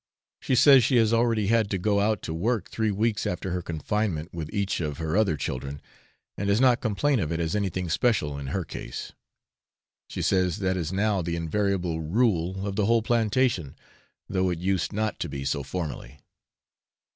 She says she has already had to go out to work three weeks after her confinement with each of her other children, and does not complain of it as anything special in her case. She says that is now the invariable rule of the whole plantation, though it used not to be so formerly.